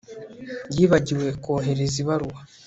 Yibagiwe kohereza ibaruwa